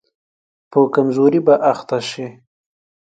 په کمزوري به اخته شي.